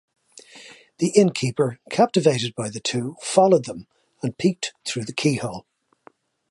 The innkeeper, captivated by the two, followed them and peeked through the keyhole.